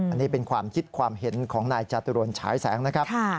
อันนี้เป็นความคิดความเห็นของนายจตุรนฉายแสงนะครับ